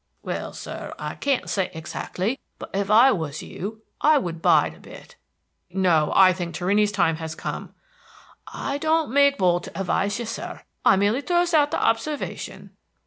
"Well, sir, I can't say hexactly; but if I was you I would bide a bit." "No, I think Torrini's time has come." "I don't make bold to advise you, sir. I merely throws out the hobservation."